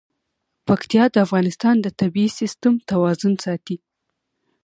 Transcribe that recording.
پکتیا د افغانستان د طبعي سیسټم توازن ساتي.